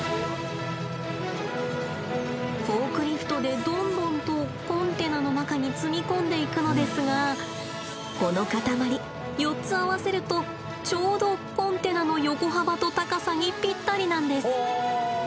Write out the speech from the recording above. フォークリフトでどんどんとコンテナの中に積み込んでいくのですがこの塊４つ合わせるとちょうどコンテナの横幅と高さにぴったりなんです。